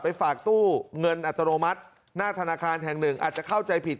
ฝากตู้เงินอัตโนมัติหน้าธนาคารแห่งหนึ่งอาจจะเข้าใจผิด